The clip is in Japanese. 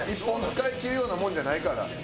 １本使い切るようなもんじゃないから。